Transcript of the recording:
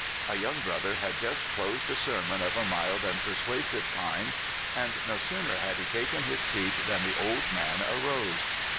A young brother had just closed a sermon of a mild and persuasive kind, and no sooner had he taken his seat than the old man arose.